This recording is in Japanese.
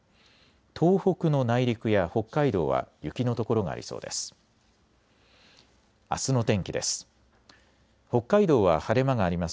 東北の内陸や北海道は雪の所がありそうです。